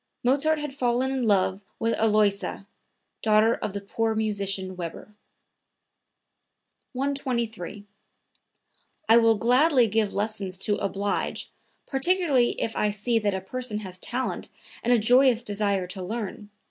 Mozart had fallen in love with Aloysia, daughter of the poor musician Weber.) 123. "I will gladly give lessons to oblige, particularly if I see that a person has talent and a joyous desire to learn.